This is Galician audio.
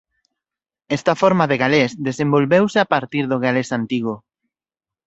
Esta forma de galés desenvolveuse a partir do galés antigo.